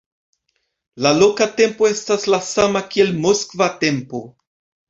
La loka tempo estas la sama kiel moskva tempo.